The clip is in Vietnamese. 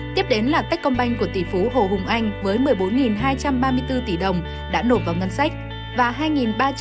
tiếp đến là techcombank của tỷ phú hồ hùng anh với một mươi bốn hai trăm ba mươi bốn tỷ đồng đã nộp vào ngân sách